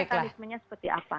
itu mekanismenya seperti apa